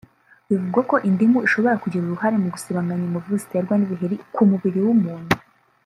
bivugwa ko indimu ishobora kugira uruhare mu gusibanganya inkovu ziterwa n’ibiheri ku mubiri w’umuntu